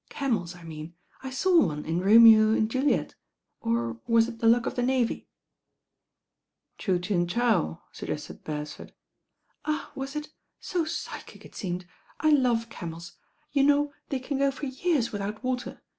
Camels I mean. I saw one in Romeo and Juliet, or was it The Luck of the Navyf "Chu Chin Chow," suggested Beresford. "Ah I was it? So psychic it seemed. I love cam els. You know they can go for years without water.